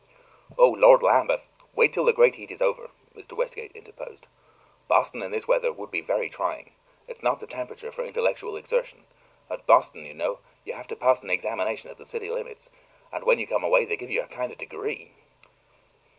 "Oh, Lord Lambeth, wait till the great heat is over," Mr. Westgate interposed. "Boston in this weather would be very trying; it's not the temperature for intellectual exertion. At Boston, you know, you have to pass an examination at the city limits; and when you come away they give you a kind of degree."